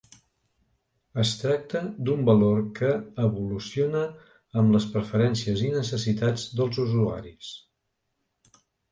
Es tracta d'un valor que evoluciona amb les preferències i necessitats dels usuaris.